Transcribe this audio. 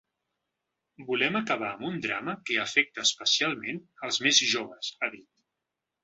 “Volem acabar amb un drama que afecta especialment els més joves”, ha dit.